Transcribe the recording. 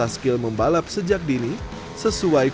dan juga untuk membuat kelas sport yang lebih menarik dan lebih menarik